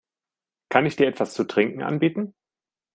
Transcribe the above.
Kann ich dir etwas zu trinken anbieten?